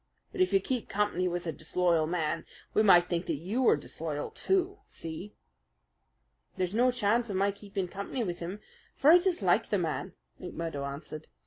But if you keep company with a disloyal man, we might think that you were disloyal, too. See?" "There's no chance of my keeping company with him; for I dislike the man," McMurdo answered.